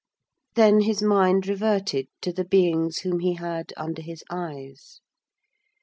Then his mind reverted to the beings whom he had under his eyes.